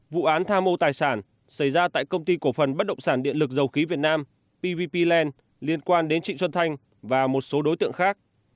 vụ án tham mô tài sản xảy ra tại công ty cổ phần bất động sản điện lực dầu khí việt nam pvp land liên quan đến chị xuân thanh và một số đối tượng khác